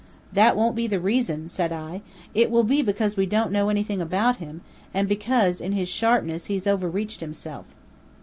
"That won't be the reason!" said I. "It will be because we don't know anything about him, and because in his sharpness he's over reached himself."